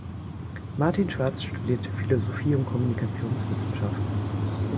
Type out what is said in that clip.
Martin Schwarz studierte Philosophie und Kommunikationswissenschaften.